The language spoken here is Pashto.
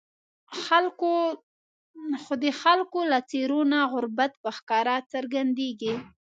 خو د خلکو له څېرو نه غربت په ښکاره څرګندېږي.